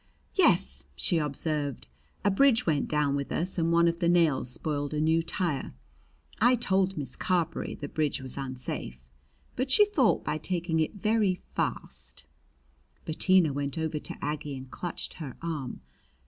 "Yes," she observed. "A bridge went down with us and one of the nails spoiled a new tire. I told Miss Carberry the bridge was unsafe, but she thought, by taking it very fast " Bettina went over to Aggie and clutched her arm.